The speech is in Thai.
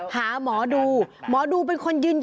หาหมอดูหมอดูเป็นคนยืนยัน